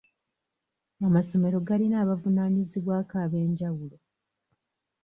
Amasomero galina abavunaanyizibwako ab'enjawulo.